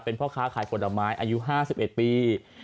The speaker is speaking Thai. เป็นพ่อค้าขายผลไม้อายุ๕๑ปี